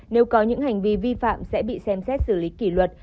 nếu có những hành vi vi phạm sẽ bị xem xét xử lý kỷ luật